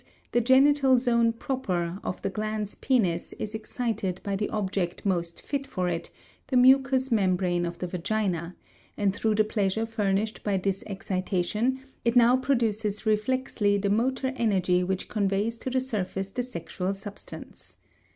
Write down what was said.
_, the genital zone proper of the glans penis is excited by the object most fit for it, the mucous membrane of the vagina, and through the pleasure furnished by this excitation it now produces reflexly the motor energy which conveys to the surface the sexual substance.